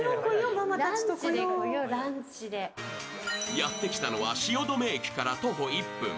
やってきたのは汐留駅から徒歩１分